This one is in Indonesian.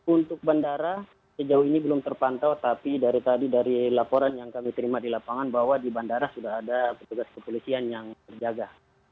untuk bandara sejauh ini belum terpantau tapi dari tadi dari laporan yang kami terima di lapangan bahwa di bandara sudah ada petugas kepolisian yang terjaga